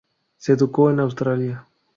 Se educó en Australia.